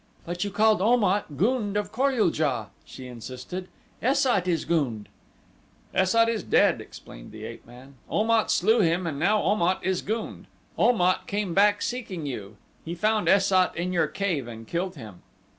"But you called Om at, gund of Kor ul JA," she insisted. "Es sat is gund." "Es sat is dead," explained the ape man. "Om at slew him and now Om at is gund. Om at came back seeking you. He found Es sat in your cave and killed him."